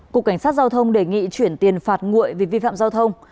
cục cảnh sát giao thông đề nghị chuyển tiền phạt nguội vì vi phạm giao thông